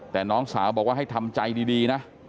แต่น้องสาวบอกว่าให้ทำใจดีนะ